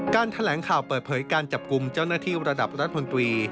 แถลงข่าวเปิดเผยการจับกลุ่มเจ้าหน้าที่ระดับรัฐมนตรี